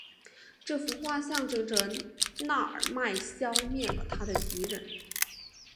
这幅画象征着那尔迈消灭了他的敌人。